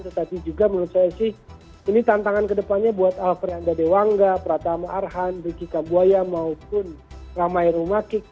tetapi juga menurut saya sih ini tantangan kedepannya buat alfreanda dewangga pratama arhan ricky kambuaya maupun ramai rumakik